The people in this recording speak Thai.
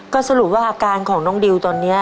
ก็สรุปว่าอาการของน้องดิวตอนนี้